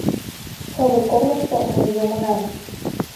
Шыгыр корнышто мый йомынам!..